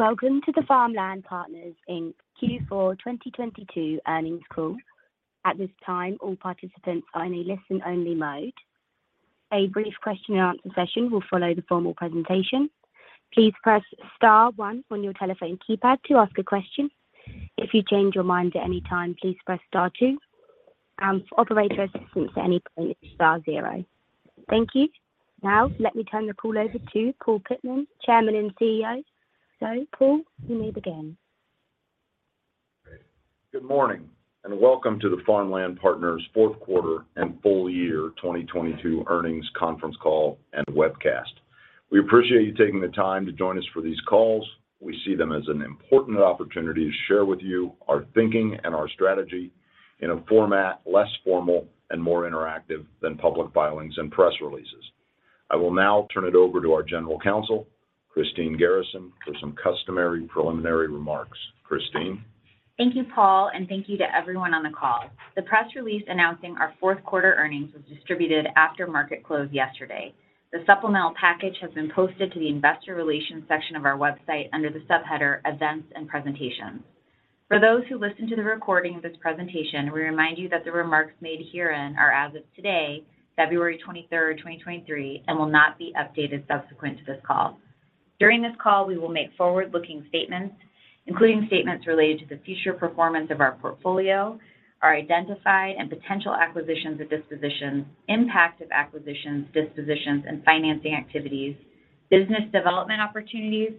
Welcome to the Farmland Partners Inc. Q4 2022 earnings call. At this time, all participants are in a listen-only mode. A brief question and answer session will follow the formal presentation. Please press star one on your telephone keypad to ask a question. If you change your mind at any time, please press star two. For operator assistance at any point, it's star zero. Thank you. Let me turn the call over to Paul Pittman, Chairman and CEO. Paul, you may begin. Good morning. Welcome to the Farmland Partners fourth quarter and full year 2022 earnings conference call and webcast. We appreciate you taking the time to join us for these calls. We see them as an important opportunity to share with you our thinking and our strategy in a format less formal and more interactive than public filings and press releases. I will now turn it over to our General Counsel, Christine Garrison, for some customary preliminary remarks. Christine. Thank you, Paul, and thank you to everyone on the call. The press release announcing our fourth quarter earnings was distributed after market close yesterday. The supplemental package has been posted to the investor relations section of our website under the subheader Events and Presentations. For those who listen to the recording of this presentation, we remind you that the remarks made herein are as of today, February 23, 2023, and will not be updated subsequent to this call. During this call, we will make forward-looking statements, including statements related to the future performance of our portfolio, our identified and potential acquisitions or dispositions, impact of acquisitions, dispositions and financing activities, business development opportunities,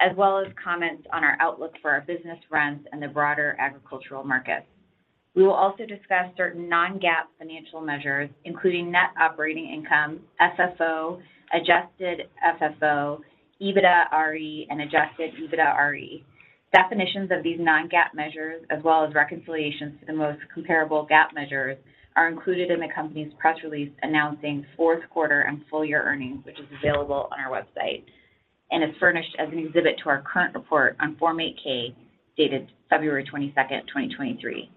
as well as comments on our outlook for our business rents and the broader agricultural markets. We will also discuss certain non-GAAP financial measures, including net operating income, FFO, adjusted FFO, EBITDAre, and adjusted EBITDAre. Definitions of these non-GAAP measures, as well as reconciliations to the most comparable GAAP measures, are included in the company's press release announcing fourth quarter and full-year earnings, which is available on our website and is furnished as an exhibit to our current report on Form 8-K, dated February 22, 2023.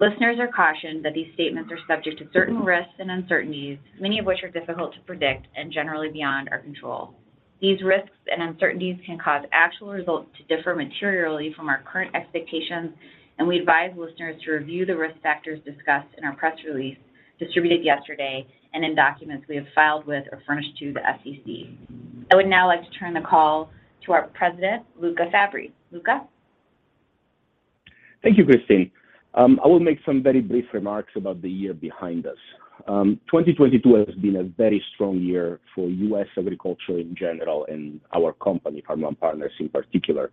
Listeners are cautioned that these statements are subject to certain risks and uncertainties, many of which are difficult to predict and generally beyond our control. These risks and uncertainties can cause actual results to differ materially from our current expectations, and we advise listeners to review the risk factors discussed in our press release distributed yesterday and in documents we have filed with or furnished to the SEC. I would now like to turn the call to our President, Luca Fabbri. Luca. Thank you, Christine. I will make some very brief remarks about the year behind us. 2022 has been a very strong year for U.S. agriculture in general and our company, Farmland Partners, in particular.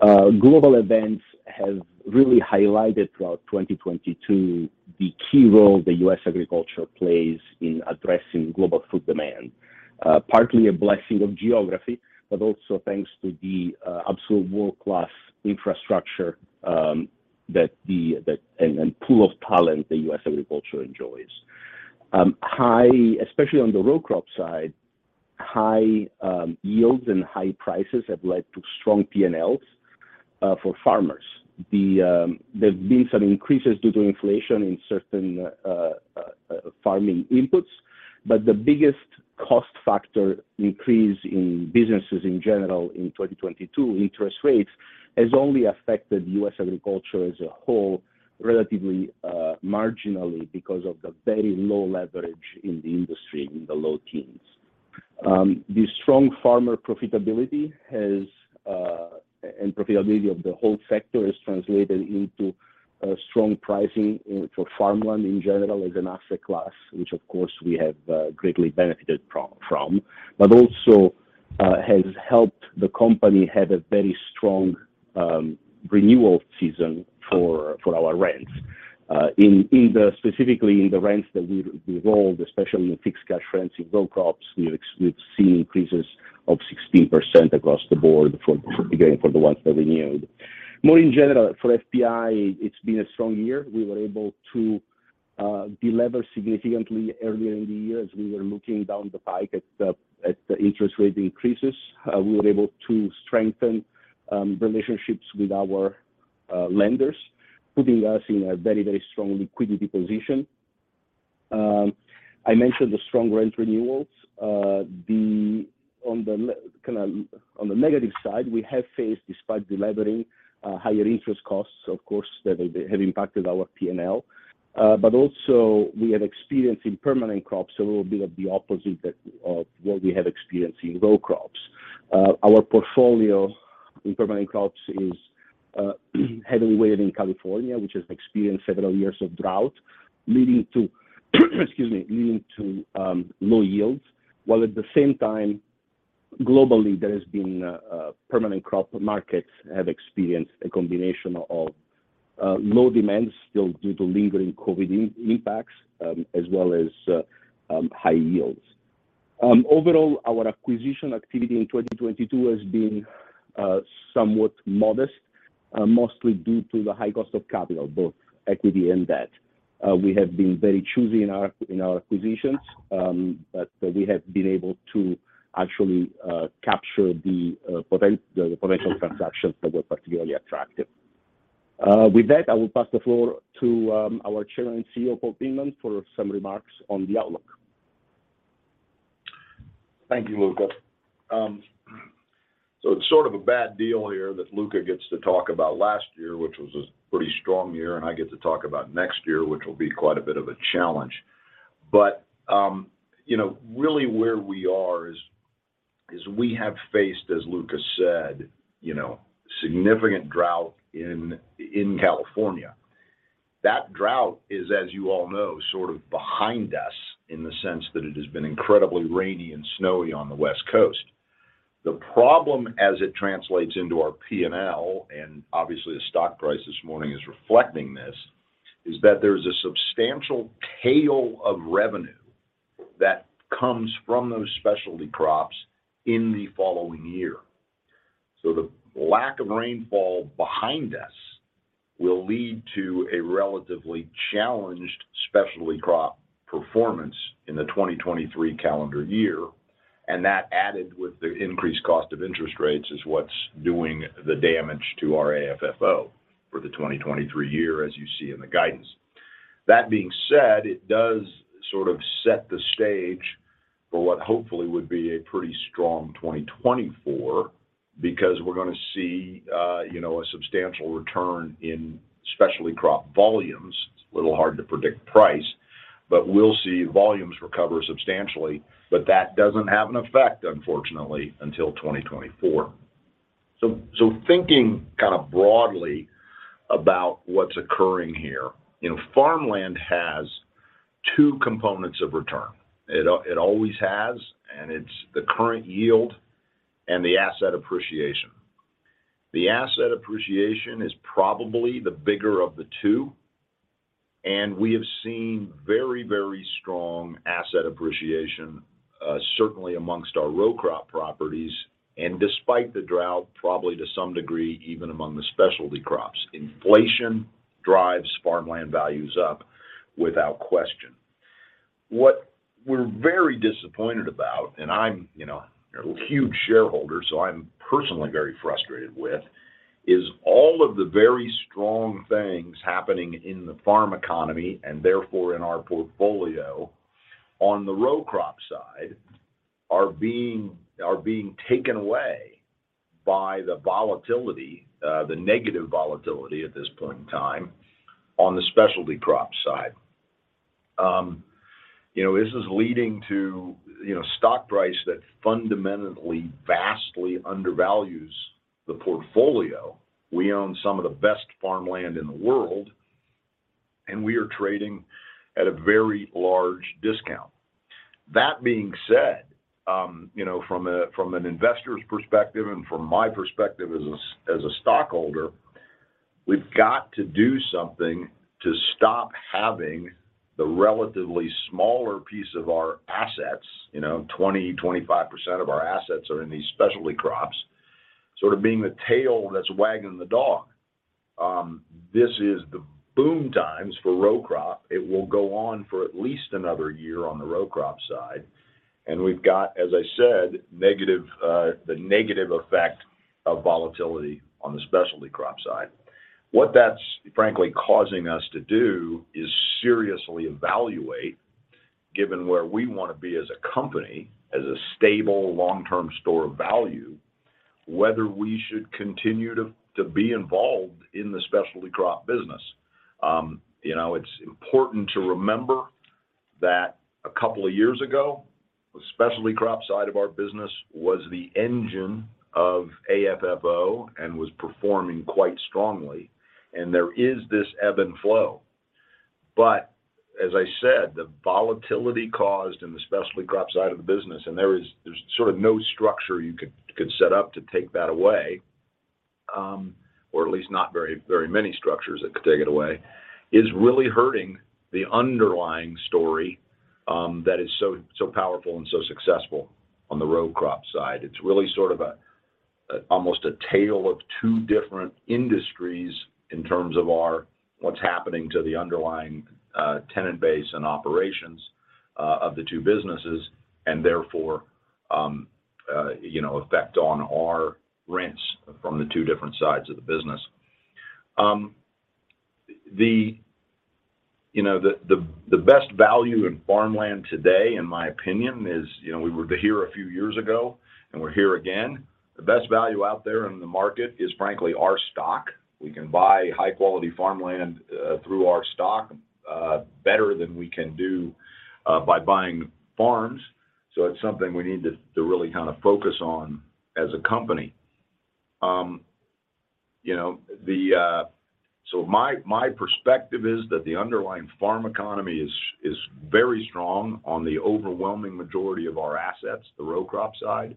Global events have really highlighted throughout 2022 the key role that U.S. agriculture plays in addressing global food demand. Partly a blessing of geography, but also thanks to the absolute world-class infrastructure that, and pool of talent that U.S. agriculture enjoys. High, especially on the row crop side, high yields and high prices have led to strong P&Ls for farmers. There's been some increases due to inflation in certain farming inputs, the biggest cost factor increase in businesses in general in 2022, interest rates, has only affected U.S. agriculture as a whole relatively marginally because of the very low leverage in the industry, in the low teens. The strong farmer profitability has and profitability of the whole sector is translated into strong pricing for farmland in general as an asset class, which of course we have greatly benefited from, but also has helped the company have a very strong renewal season for our rents. Specifically in the rents that we rolled, especially in the fixed cash rents in row crops, we've seen increases of 16% across the board for the ones that renewed. More in general, for FPI, it's been a strong year. We were able to delever significantly earlier in the year as we were looking down the pike at the interest rate increases. We were able to strengthen relationships with our lenders, putting us in a very strong liquidity position. I mentioned the strong rent renewals. On the negative side, we have faced, despite delevering, higher interest costs, of course, that have impacted our P&L. Also, we have experienced in permanent crops a little bit of the opposite that what we have experienced in row crops. Our portfolio in permanent crops is heavily weighted in California, which has experienced several years of drought, leading to, excuse me, leading to low yields. At the same time, globally, there has been, permanent crop markets have experienced a combination of low demand still due to lingering COVID impacts, as well as high yields. Overall, our acquisition activity in 2022 has been somewhat modest, mostly due to the high cost of capital, both equity and debt. We have been very choosy in our acquisitions, but we have been able to actually capture the potential transactions that were particularly attractive. With that, I will pass the floor to our Chairman and CEO, Paul Pittman, for some remarks on the outlook. Thank you, Luca. It's sort of a bad deal here that Luca gets to talk about last year, which was a pretty strong year, and I get to talk about next year, which will be quite a bit of a challenge. You know, really where we are is we have faced, as Luca said, you know, significant drought in California. That drought is, as you all know, sort of behind us in the sense that it has been incredibly rainy and snowy on the West Coast. The problem as it translates into our P&L, and obviously, the stock price this morning is reflecting this, is that there's a substantial tail of revenue that comes from those specialty crops in the following year. The lack of rainfall behind us will lead to a relatively challenged specialty crop performance in the 2023 calendar year. That added with the increased cost of interest rates is what's doing the damage to our AFFO for the 2023 year as you see in the guidance. That being said, it does sort of set the stage for what hopefully would be a pretty strong 2024 because we're gonna see, you know, a substantial return in specialty crop volumes. It's a little hard to predict price, but we'll see volumes recover substantially. That doesn't have an effect, unfortunately, until 2024. Thinking kind of broadly about what's occurring here, you know, farmland has two components of return. It always has, and it's the current yield and the asset appreciation. The asset appreciation is probably the bigger of the two, and we have seen very, very strong asset appreciation, certainly amongst our row crop properties, and despite the drought, probably to some degree, even among the specialty crops. Inflation drives farmland values up without question. What we're very disappointed about, and I'm, you know, a huge shareholder, so I'm personally very frustrated with, is all of the very strong things happening in the farm economy, and therefore in our portfolio on the row crop side, are being taken away by the volatility, the negative volatility at this point in time, on the specialty crop side. You know, this is leading to, you know, stock price that fundamentally vastly undervalues the portfolio. We own some of the best farmland in the world, and we are trading at a very large discount. That being said, you know, from an investor's perspective and from my perspective as a stockholder, we've got to do something to stop having the relatively smaller piece of our assets, you know, 20%, 25% of our assets are in these specialty crops, sort of being the tail that's wagging the dog. This is the boom times for row crop. It will go on for at least another year on the row crop side. We've got, as I said, negative, the negative effect of volatility on the specialty crop side. What that's frankly causing us to do is seriously evaluate, given where we wanna be as a company, as a stable long-term store of value, whether we should continue to be involved in the specialty crop business. You know, it's important to remember that a couple of years ago, the specialty crop side of our business was the engine of AFFO and was performing quite strongly, and there is this ebb and flow. As I said, the volatility caused in the specialty crop side of the business, and there's sort of no structure you could set up to take that away, or at least not very many structures that could take it away, is really hurting the underlying story, that is so powerful and so successful on the row crop side. It's really sort of a, almost a tale of two different industries in terms of our... What's happening to the underlying tenant base and operations of the two businesses and therefore, you know, effect on our rents from the two different sides of the business. The, you know, the best value in farmland today, in my opinion, is, you know, we were here a few years ago, and we're here again. The best value out there in the market is frankly, our stock. We can buy high-quality farmland through our stock better than we can do by buying farms. It's something we need to really kind of focus on as a company. You know, the... my perspective is that the underlying farm economy is very strong on the overwhelming majority of our assets, the row crop side,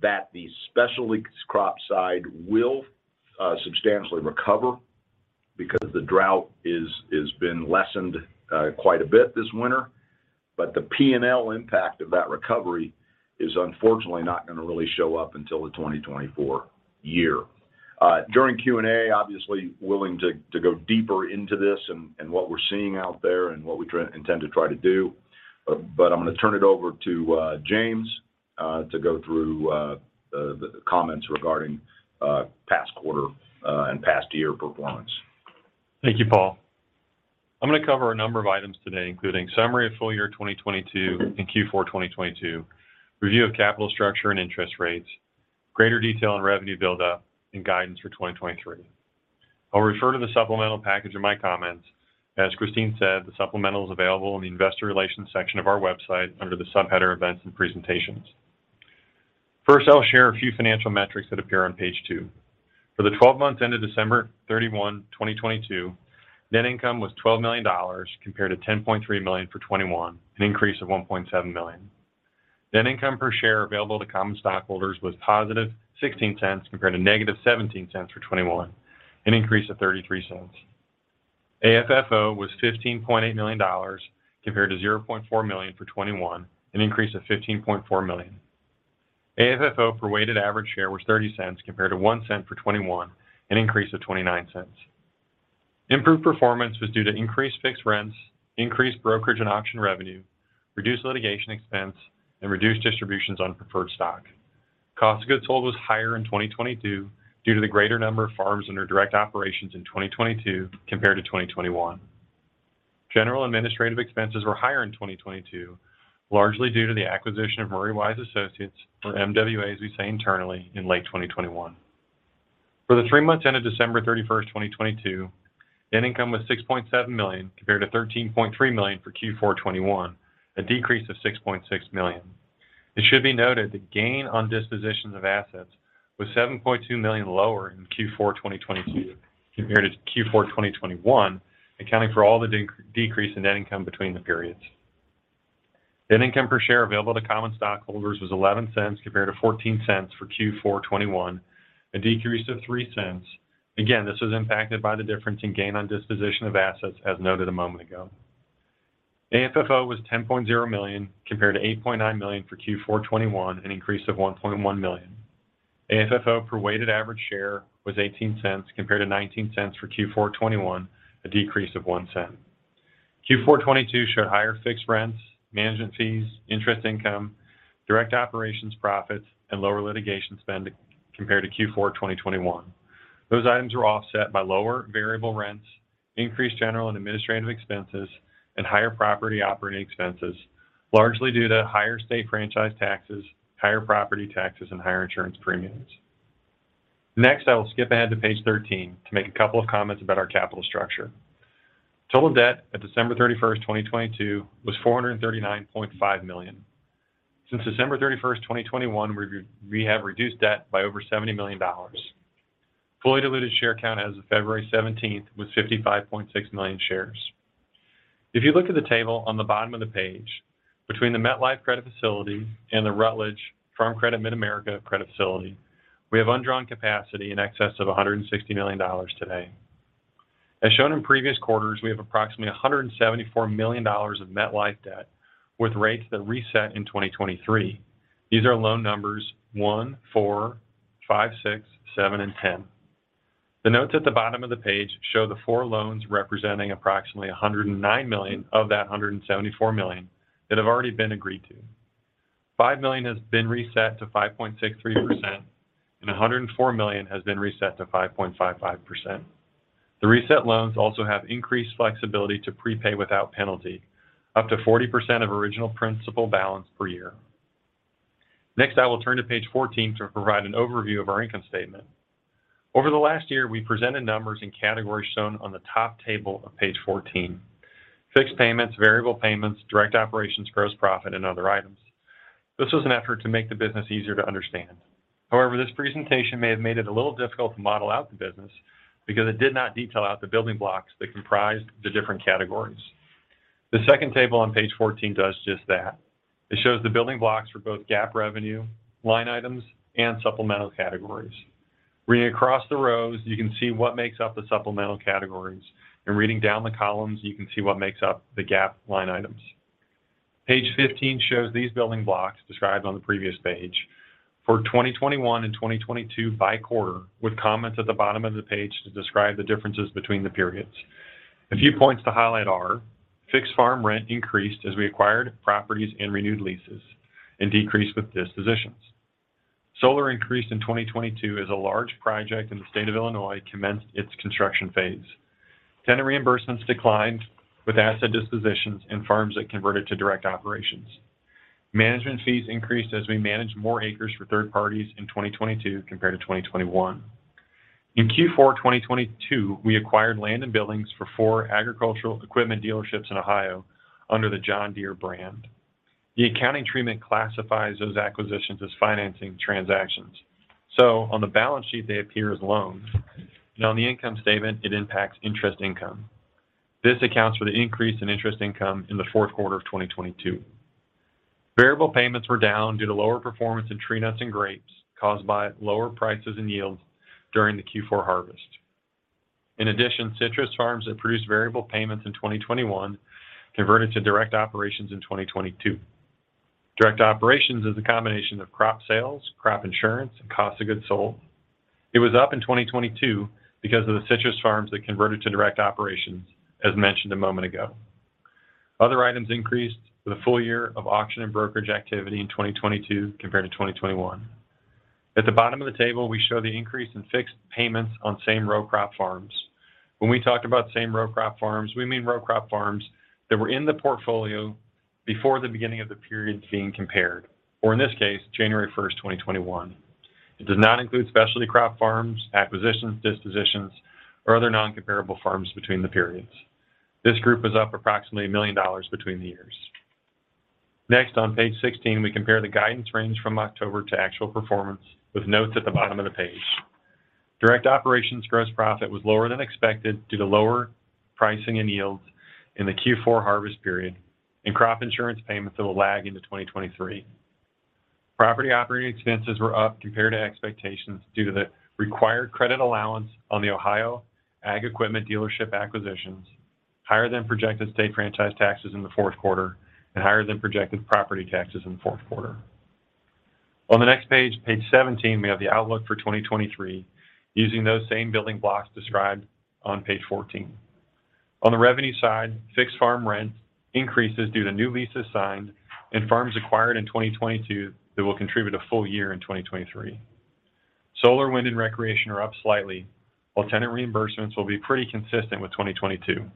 that the specialty crop side will substantially recover because the drought is been lessened quite a bit this winter. The P&L impact of that recovery is unfortunately not gonna really show up until the 2024 year. During Q&A, obviously willing to go deeper into this and what we're seeing out there and what we intend to try to do. I'm gonna turn it over to James to go through the comments regarding past quarter and past year performance. Thank you, Paul. I'm gonna cover a number of items today, including summary of full year 2022 and Q4 2022, review of capital structure and interest rates, greater detail on revenue build-up and guidance for 2023. I'll refer to the supplemental package in my comments. As Christine said, the supplemental is available in the investor relations section of our website under the subheader Events and Presentations. First, I'll share a few financial metrics that appear on page two. For the 12 months ended December 31, 2022, net income was $12 million compared to $10.3 million for 2021, an increase of $1.7 million. Net income per share available to common stockholders was positive $0.16 compared to -$0.17 for 2021, an increase of $0.33. AFFO was $15.8 million compared to $0.4 million for 2021, an increase of $15.4 million. AFFO per weighted average share was $0.30 compared to $0.01 for 2021, an increase of $0.29. Improved performance was due to increased fixed rents, increased brokerage and auction revenue, reduced litigation expense, and reduced distributions on preferred stock. Cost of goods sold was higher in 2022 due to the greater number of farms under direct operations in 2022 compared to 2021. General administrative expenses were higher in 2022, largely due to the acquisition of Murray Wise Associates or MWA, as we say internally, in late 2021. For the three months ended December 31st, 2022, net income was $6.7 million compared to $13.3 million for Q4 2021, a decrease of $6.6 million. It should be noted the gain on dispositions of assets was $7.2 million lower in Q4 2022 compared to Q4 2021, accounting for all the decrease in net income between the periods. Net income per share available to common stockholders was $0.11 compared to $0.14 for Q4 2021, a decrease of $0.03. Again, this was impacted by the difference in gain on disposition of assets as noted a moment ago. AFFO was $10.0 million compared to $8.9 million for Q4 2021, an increase of $1.1 million. AFFO per weighted average share was $0.18 compared to $0.19 for Q4 2021, a decrease of $0.01. Q4 2022 showed higher fixed rents, management fees, interest income, direct operations profits, and lower litigation spend compared to Q4 2021. Those items were offset by lower variable rents, increased general and administrative expenses, and higher property operating expenses, largely due to higher state franchise taxes, higher property taxes, and higher insurance premiums. I will skip ahead to page 13 to make a couple of comments about our capital structure. Total debt at December 31, 2022 was $439.5 million. Since December 31, 2021, we have reduced debt by over $70 million. Fully diluted share count as of February 17 was 55.6 million shares. If you look at the table on the bottom of the page, between the MetLife credit facility and the Rutledge Farm Credit Mid-America credit facility, we have undrawn capacity in excess of $160 million today. As shown in previous quarters, we have approximately $174 million of MetLife debt with rates that reset in 2023. These are loan numbers one, four, five, six, seven, and 10. The notes at the bottom of the page show the four loans representing approximately $109 million of that $174 million that have already been agreed to. $5 million has been reset to 5.63% and $104 million has been reset to 5.55%. The reset loans also have increased flexibility to prepay without penalty, up to 40% of original principal balance per year. Next, I will turn to page 14 to provide an overview of our income statement. Over the last year, we presented numbers in categories shown on the top table of page 14, fixed payments, variable payments, direct operations gross profit, and other items. This was an effort to make the business easier to understand. However, this presentation may have made it a little difficult to model out the business because it did not detail out the building blocks that comprised the different categories. The second table on page 14 does just that. It shows the building blocks for both GAAP revenue, line items, and supplemental categories. Reading across the rows, you can see what makes up the supplemental categories, and reading down the columns, you can see what makes up the GAAP line items. Page 15 shows these building blocks described on the previous page for 2021 and 2022 by quarter, with comments at the bottom of the page to describe the differences between the periods. A few points to highlight are fixed farm rent increased as we acquired properties and renewed leases, and decreased with dispositions. Solar increased in 2022 as a large project in the state of Illinois commenced its construction phase. Tenant reimbursements declined with asset dispositions and farms that converted to direct operations. Management fees increased as we managed more acres for third parties in 2022 compared to 2021. In Q4 2022, we acquired land and buildings for 4 agricultural equipment dealerships in Ohio under the John Deere brand. On the balance sheet, they appear as loans, and on the income statement, it impacts interest income. This accounts for the increase in interest income in the fourth quarter of 2022. Variable payments were down due to lower performance in tree nuts and grapes caused by lower prices and yields during the Q4 harvest. Citrus farms that produced variable payments in 2021 converted to direct operations in 2022. Direct operations is a combination of crop sales, crop insurance, and cost of goods sold. It was up in 2022 because of the citrus farms that converted to direct operations, as mentioned a moment ago. Other items increased for the full year of auction and brokerage activity in 2022 compared to 2021. At the bottom of the table, we show the increase in fixed payments on same-store row crop farms. When we talk about same-store row crop farms, we mean row crop farms that were in the portfolio before the beginning of the period being compared, or in this case, January 1st, 2021. It does not include specialty crop farms, acquisitions, dispositions, or other non-comparable farms between the periods. This group is up approximately $1 million between the years. Next, on page 16, we compare the guidance range from October to actual performance with notes at the bottom of the page. Direct operations gross profit was lower than expected due to lower pricing and yields in the Q4 harvest period and crop insurance payments that will lag into 2023. Property operating expenses were up compared to expectations due to the required credit allowance on the Ohio Ag Equipment dealership acquisitions, higher than projected state franchise taxes in the fourth quarter, and higher than projected property taxes in the fourth quarter. On the next page 17, we have the outlook for 2023 using those same building blocks described on page 14. On the revenue side, fixed farm rent increases due to new leases signed and farms acquired in 2022 that will contribute a full year in 2023. Solar, wind, and recreation are up slightly, while tenant reimbursements will be pretty consistent with 2022.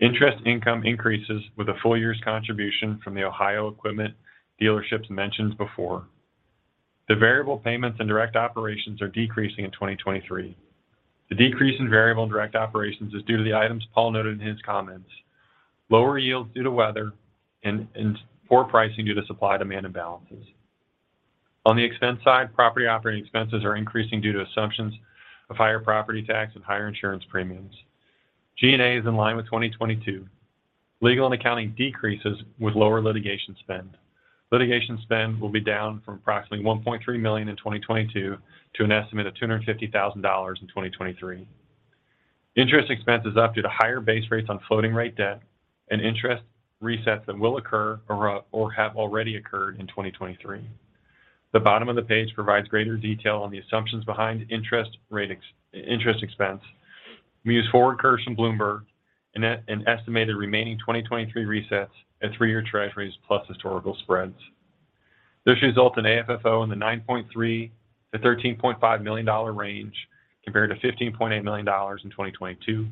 Interest income increases with a full year's contribution from the Ohio equipment dealerships mentioned before. The variable payments and direct operations are decreasing in 2023. The decrease in variable and direct operations is due to the items Paul noted in his comments. Lower yields due to weather and poor pricing due to supply-demand imbalances. On the expense side, property operating expenses are increasing due to assumptions of higher property tax and higher insurance premiums. G&A is in line with 2022. Legal and accounting decreases with lower litigation spend. Litigation spend will be down from approximately $1.3 million in 2022 to an estimate of $250,000 in 2023. Interest expense is up due to higher base rates on floating rate debt and interest resets that will occur or have already occurred in 2023. The bottom of the page provides greater detail on the assumptions behind interest expense. We use forward curves from Bloomberg and an estimated remaining 2023 resets at three-year Treasuries plus historical spreads. This results in AFFO in the $9.3 million-$13.5 million range compared to $15.8 million in 2022.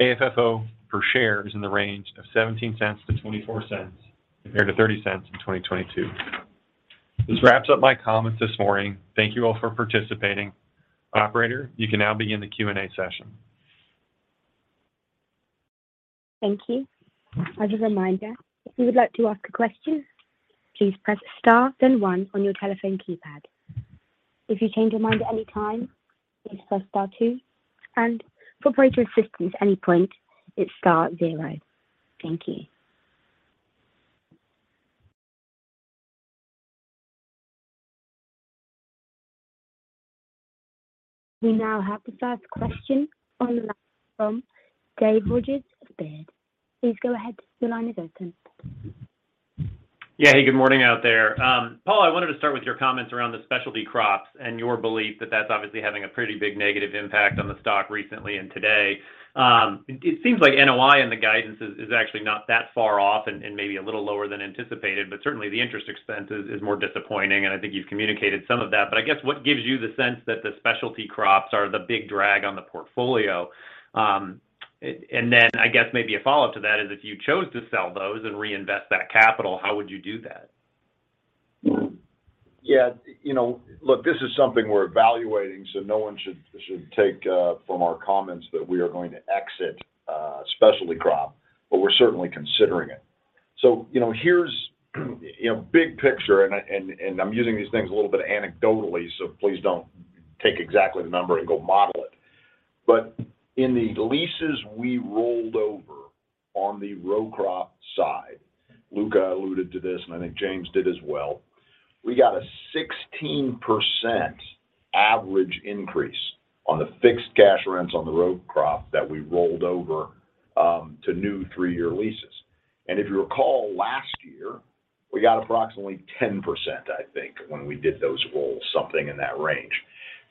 AFFO per share is in the range of $0.17-$0.24 compared to $0.30 in 2022. This wraps up my comments this morning. Thank you all for participating. Operator, you can now begin the Q&A session. Thank you. As a reminder, if you would like to ask a question, please press star then 1 on your telephone keypad. If you change your mind at any time, please press star 2. For operator assistance at any point, it's star 0. Thank you. We now have the first question on the line from Dave Rodgers of Baird. Please go ahead. Your line is open. Yeah. Hey, good morning out there. Paul, I wanted to start with your comments around the specialty crops and your belief that that's obviously having a pretty big negative impact on the stock recently and today. It seems like NOI and the guidance is actually not that far off and maybe a little lower than anticipated, but certainly, the interest expense is more disappointing, and I think you've communicated some of that. I guess what gives you the sense that the specialty crops are the big drag on the portfolio? Then I guess maybe a follow-up to that is if you chose to sell those and reinvest that capital, how would you do that? Yeah. You know, look, this is something we're evaluating, so no one should take from our comments that we are going to exit specialty crop. We're certainly considering it. You know, here's, you know, big picture and I'm using these things a little bit anecdotally. Please don't take exactly the number and go model it. In the leases we rolled over on the row crop side, Luca alluded to this, and I think James did as well, we got a 16% average increase on the fixed cash rents on the row crop that we rolled over to new three-year leases. If you recall last year, we got approximately 10%, I think, when we did those rolls, something in that range.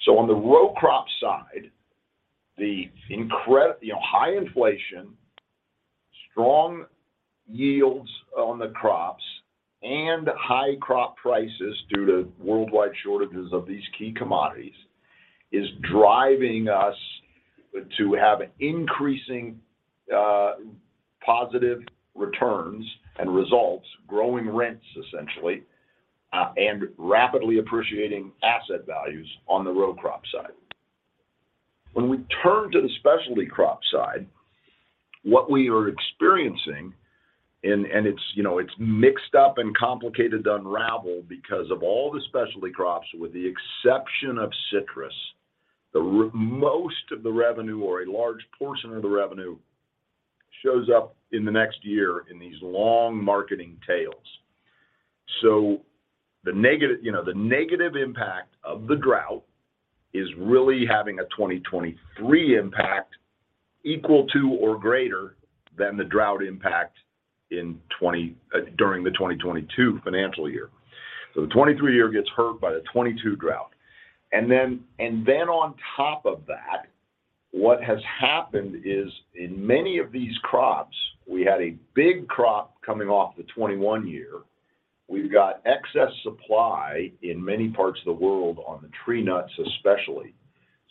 On the row crop side, the you know, high inflation, strong yields on the crops, and high crop prices due to worldwide shortages of these key commodities is driving us to have increasing positive returns and results, growing rents, essentially, and rapidly appreciating asset values on the row crop side. When we turn to the specialty crop side, what we are experiencing and it's, you know, it's mixed up and complicated to unravel because of all the specialty crops with the exception of citrus, the most of the revenue or a large portion of the revenue shows up in the next year in these long marketing tails. The negative, you know, the negative impact of the drought is really having a 2023 impact equal to or greater than the drought impact in during the 2022 financial year. The 2023 year gets hurt by the 2022 drought. On top of that what has happened is in many of these crops, we had a big crop coming off the 2021 year. We've got excess supply in many parts of the world on the tree nuts, especially.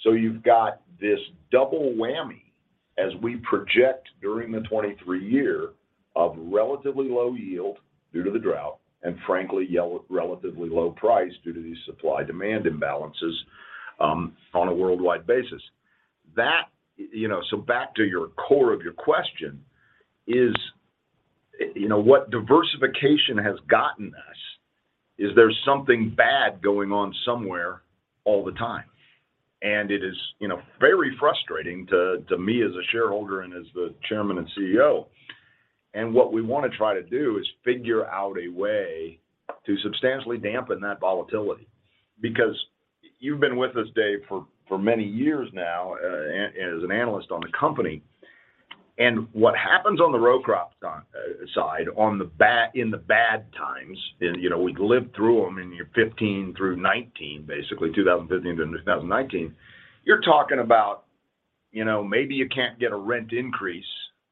You've got this double whammy as we project during the 2023 year of relatively low yield due to the drought and frankly relatively low price due to these supply-demand imbalances on a worldwide basis. You know, back to your core of your question is, you know, what diversification has gotten us is there's something bad going on somewhere all the time. It is, you know, very frustrating to me as a shareholder and as the Chairman and CEO. What we want to try to do is figure out a way to substantially dampen that volatility. Because you've been with us, Dave, for many years now as an analyst on the company. What happens on the row crop side, in the bad times, and, you know, we lived through them in year 15 through 19, basically, 2015 to 2019. You're talking about, you know, maybe you can't get a rent increase,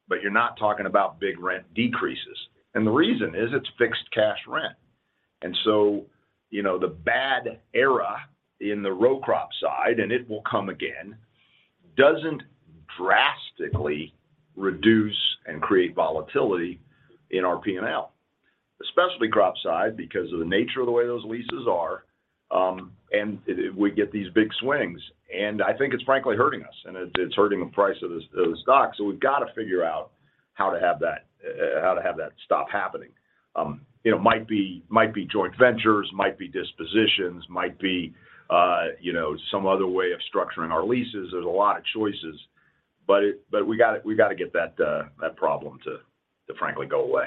but you're not talking about big rent decreases. The reason is it's fixed cash rent. You know, the bad era in the row crop side, and it will come again, doesn't drastically reduce and create volatility in our P&L. Especially crop side because of the nature of the way those leases are, and we get these big swings. I think it's frankly hurting us, and it's hurting the price of the stock. We've got to figure out how to have that stop happening. You know, might be joint ventures, might be dispositions, might be, you know, some other way of structuring our leases. There's a lot of choices. We got to get that problem to frankly go away.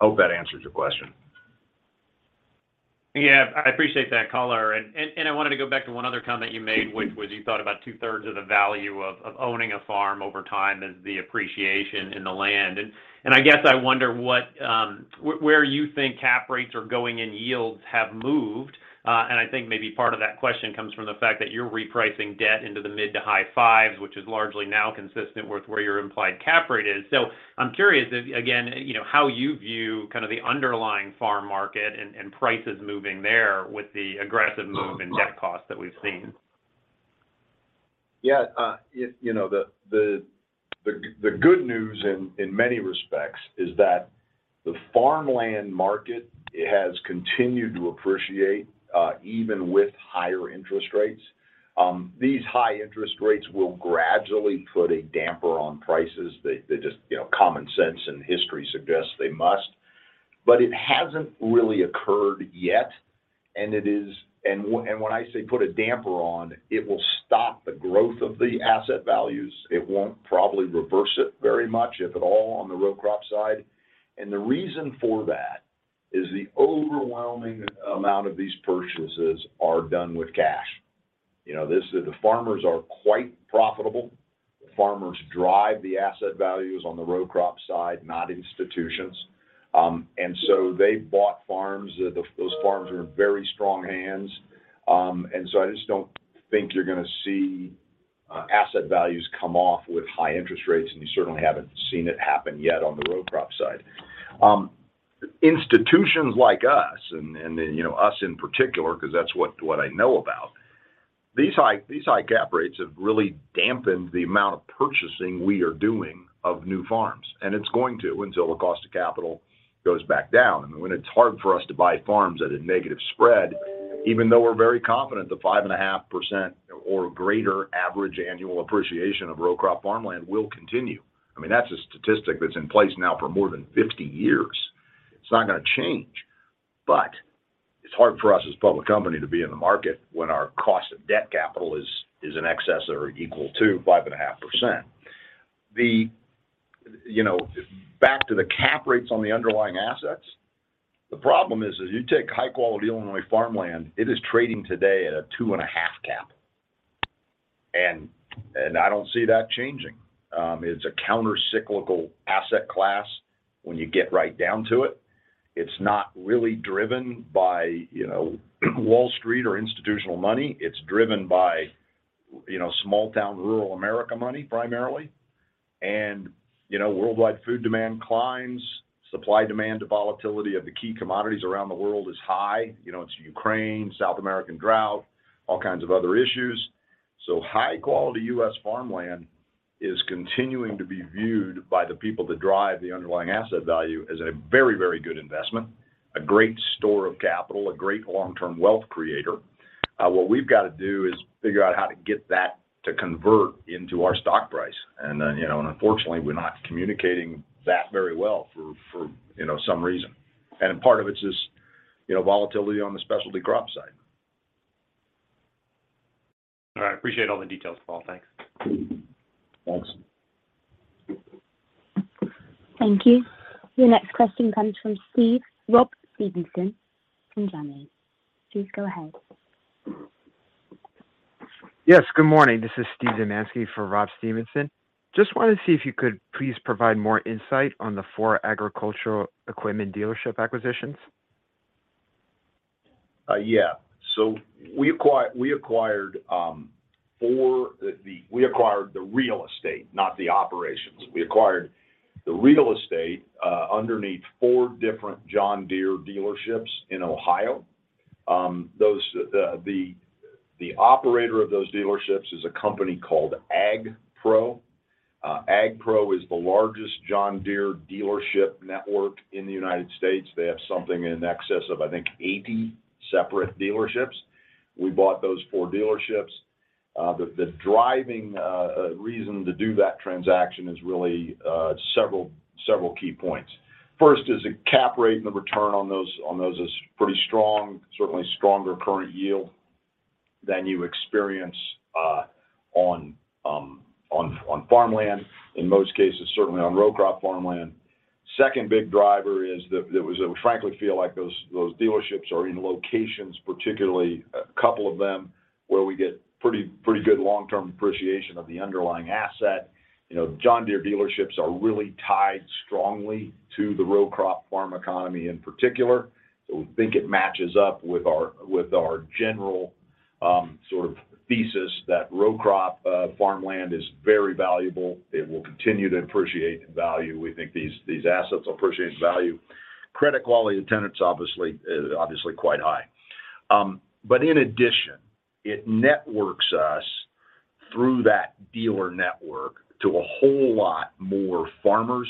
I hope that answers your question. Yeah, I appreciate that color. I wanted to go back to one other comment you made, which was you thought about two-thirds of the value of owning a farm over time is the appreciation in the land. I guess I wonder where you think cap rates are going and yields have moved. I think maybe part of that question comes from the fact that you're repricing debt into the mid to high 5s, which is largely now consistent with where your implied cap rate is. I'm curious, again, you know, how you view kind of the underlying farm market and prices moving there with the aggressive move in debt costs that we've seen. Yeah. You know, the good news in many respects is that the farmland market has continued to appreciate even with higher interest rates. These high interest rates will gradually put a damper on prices. They just, you know, common sense and history suggests they must. It hasn't really occurred yet, and when I say put a damper on, it will stop the growth of the asset values. It won't probably reverse it very much, if at all, on the row crop side. The reason for that is the overwhelming amount of these purchases are done with cash. You know, the farmers are quite profitable. Farmers drive the asset values on the row crop side, not institutions. They bought farms. Those farms are in very strong hands. I just don't think you're gonna see asset values come off with high interest rates, and you certainly haven't seen it happen yet on the row crop side. Institutions like us and, you know, us in particular because that's what I know about. These high cap rates have really dampened the amount of purchasing we are doing of new farms, and it's going to until the cost of capital goes back down. When it's hard for us to buy farms at a negative spread, even though we're very confident the 5.5% or greater average annual appreciation of row crop farmland will continue. I mean, that's a statistic that's in place now for more than 50 years. It's not gonna change. It's hard for us as a public company to be in the market when our cost of debt capital is in excess or equal to 5.5%. You know, back to the cap rates on the underlying assets, the problem is you take high-quality Illinois farmland, it is trading today at a 2.5 cap. I don't see that changing. It's a counter-cyclical asset class when you get right down to it. It's not really driven by, you know, Wall Street or institutional money. It's driven by, you know, small town, rural America money, primarily. You know, worldwide food demand climbs, supply demand, the volatility of the key commodities around the world is high. You know, it's Ukraine, South American drought, all kinds of other issues. High quality U.S. farmland is continuing to be viewed by the people that drive the underlying asset value as a very, very good investment, a great store of capital, a great long-term wealth creator. What we've got to do is figure out how to get that to convert into our stock price. You know, unfortunately, we're not communicating that very well for, you know, some reason. Part of it is, you know, volatility on the specialty crop side. All right. I appreciate all the details, Paul. Thanks. Thanks. Thank you. Your next question comes from Steve Rob Stevenson from Janney. Please go ahead. Yes, good morning. This is Steve Dumanski for Rob Stevenson. Just wanted to see if you could please provide more insight on the four agricultural equipment dealership acquisitions. Yeah. We acquired the real estate, not the operations. We acquired the real estate underneath four different John Deere dealerships in Ohio. The operator of those dealerships is a company called Ag-Pro. Ag-Pro is the largest John Deere dealership network in the United States. They have something in excess of, I think, 80 separate dealerships. We bought those four dealerships. The driving reason to do that transaction is really several key points. First is the cap rate and the return on those is pretty strong. Certainly stronger current yield than you experience on farmland in most cases, certainly on row crop farmland. Second big driver is that we frankly feel like those dealerships are in locations, particularly a couple of them, where we get pretty good long-term appreciation of the underlying asset. You know, John Deere dealerships are really tied strongly to the row crop farm economy in particular. We think it matches up with our general sort of thesis that row crop farmland is very valuable. It will continue to appreciate in value. We think these assets appreciate in value. Credit quality of tenants obviously quite high. In addition, it networks us through that dealer network to a whole lot more farmers,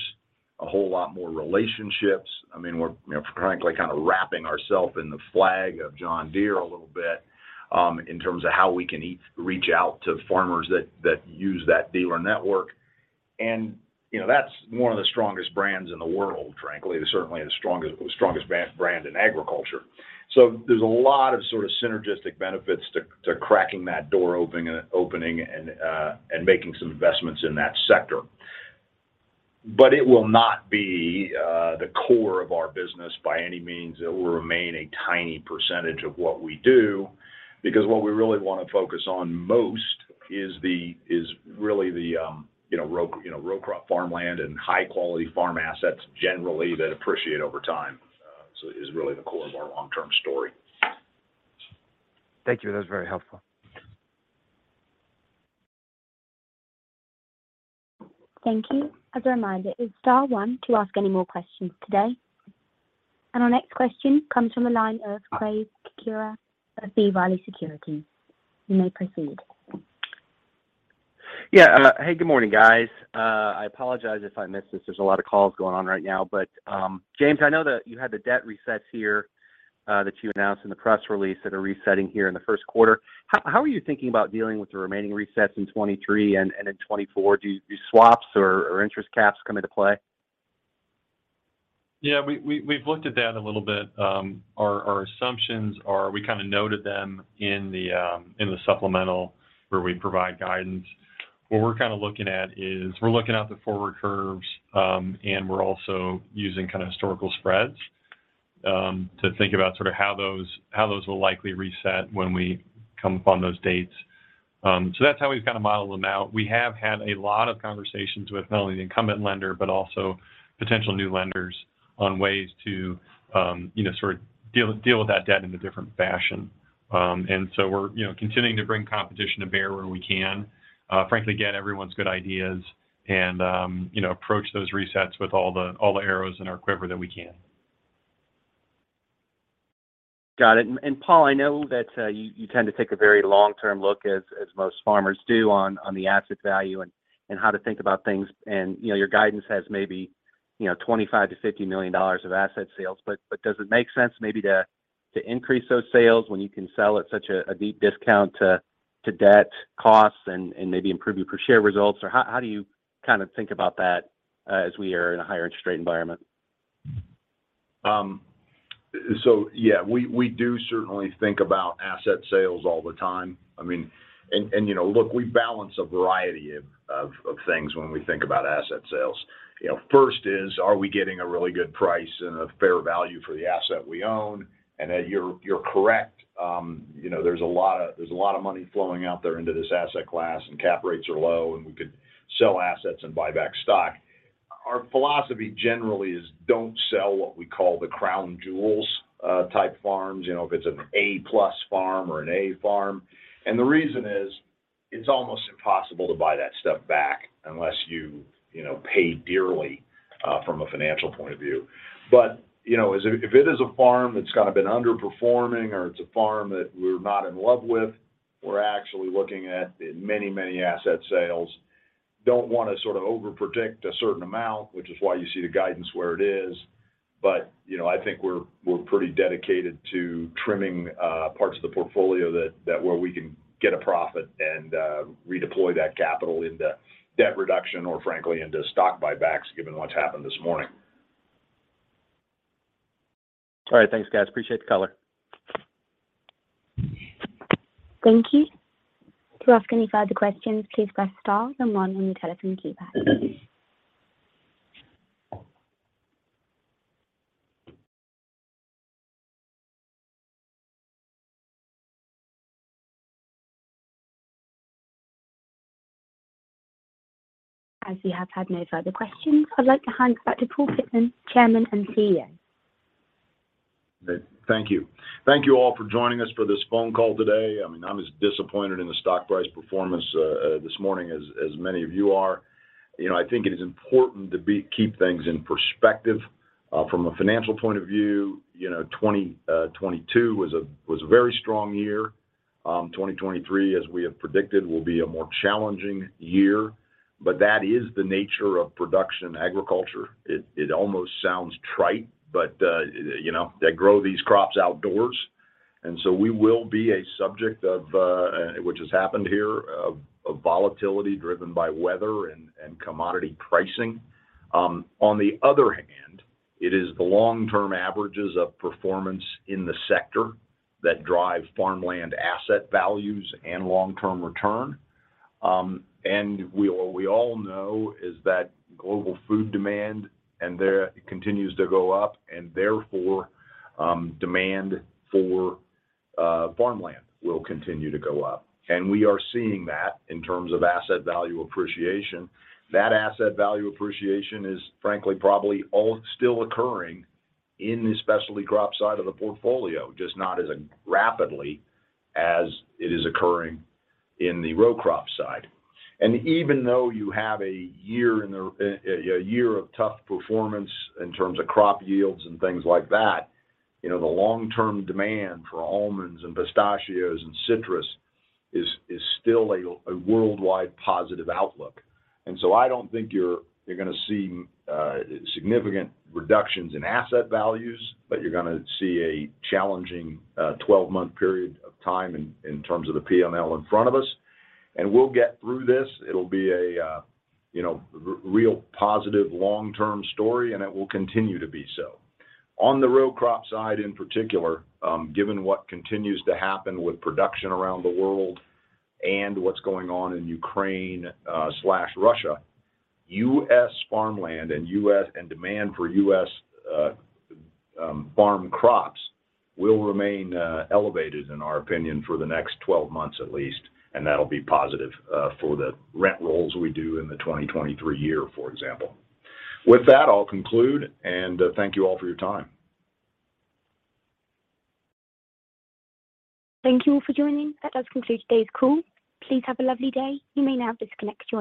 whole lot more relationships. I mean, we're, you know, frankly kind of wrapping ourself in the flag of John Deere a little bit, in terms of how we can reach out to farmers that use that dealer network. You know, that's one of the strongest brands in the world, frankly. It's certainly the strongest brand in agriculture. There's a lot of sort of synergistic benefits to cracking that door opening and making some investments in that sector. It will not be the core of our business by any means. It will remain a tiny percentage of what we do, because what we really wanna focus on most is really the, you know, row crop farmland and high quality farm assets generally that appreciate over time, is really the core of our long-term story. Thank you. That was very helpful. Thank you. As a reminder, it's star 1 to ask any more questions today. Our next question comes from the line of Craig Kucera of B. Riley Securities. You may proceed. Hey, good morning, guys. I apologize if I missed this. There's a lot of calls going on right now. James, I know that you had the debt resets here that you announced in the press release that are resetting here in the first quarter. How are you thinking about dealing with the remaining resets in 2023 and in 2024? Do swaps or interest caps come into play? We've looked at that a little bit. Our assumptions are, we kind of noted them in the supplemental where we provide guidance. What we're kind of looking at is we're looking at the forward curves, and we're also using kind of historical spreads, to think about sort of how those, how those will likely reset when we come up on those dates. That's how we've kind of modeled them out. We have had a lot of conversations with not only the incumbent lender, but also potential new lenders on ways to, you know, sort of deal with that debt in a different fashion. We're, you know, continuing to bring competition to bear where we can. Frankly, again, everyone's good ideas and, you know, approach those resets with all the, all the arrows in our quiver that we can. Got it. Paul, I know that you tend to take a very long-term look as most farmers do on the asset value and how to think about things. You know, your guidance has maybe, you know, $25 million-$50 million of asset sales, but does it make sense maybe to increase those sales when you can sell at such a deep discount to debt costs and maybe improve your per share results? How do you kind of think about that, as we are in a higher interest rate environment? Yeah, we do certainly think about asset sales all the time. I mean, you know, look, we balance a variety of things when we think about asset sales. You know, first is, are we getting a really good price and a fair value for the asset we own? Ed, you're correct. You know, there's a lot of money flowing out there into this asset class, and cap rates are low, and we could sell assets and buy back stock. Our philosophy generally is don't sell what we call the crown jewels type farms. You know, if it's an A-plus farm or an A farm. The reason is, it's almost impossible to buy that stuff back unless you know, pay dearly from a financial point of view. You know, if it is a farm that's kind of been underperforming or it's a farm that we're not in love with, we're actually looking at in many asset sales. Don't want to sort of over predict a certain amount, which is why you see the guidance where it is. You know, I think we're pretty dedicated to trimming parts of the portfolio that where we can get a profit and redeploy that capital into debt reduction or frankly into stock buybacks given what's happened this morning. All right. Thanks, guys. Appreciate the color. Thank you. To ask any further questions, please press star then one on your telephone keypad. As we have had no further questions, I'd like to hand it back to Paul Pittman, Chairman and CEO. Thank you. Thank you all for joining us for this phone call today. I mean, I'm as disappointed in the stock price performance this morning as many of you are. You know, I think it is important to keep things in perspective from a financial point of view. You know, 2022 was a very strong year. 2023, as we have predicted, will be a more challenging year. That is the nature of production agriculture. It almost sounds trite, but, you know, they grow these crops outdoors, we will be a subject of which has happened here of volatility driven by weather and commodity pricing. On the other hand, it is the long-term averages of performance in the sector that drive farmland asset values and long-term return. We all know is that global food demand, and there continues to go up, and therefore, demand for farmland will continue to go up. We are seeing that in terms of asset value appreciation. That asset value appreciation is frankly, probably all still occurring in the specialty crop side of the portfolio, just not as rapidly as it is occurring in the row crop side. Even though you have a year in the, a year of tough performance in terms of crop yields and things like that, you know, the long-term demand for almonds and pistachios and citrus is still a worldwide positive outlook. I don't think you're gonna see significant reductions in asset values, but you're gonna see a challenging 12-month period of time in terms of the P&L in front of us. We'll get through this. It'll be a, you know, real positive long-term story, and it will continue to be so. On the row crop side, in particular, given what continues to happen with production around the world and what's going on in Ukraine slash Russia, US farmland and demand for US farm crops will remain elevated, in our opinion, for the next 12 months at least, and that'll be positive for the rent rolls we do in the 2023 year, for example. With that, I'll conclude, and thank you all for your time. Thank you all for joining. That does conclude today's call. Please have a lovely day. You may now disconnect your line.